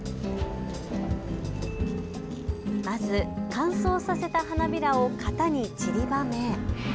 まず乾燥させた花びらを型にちりばめ。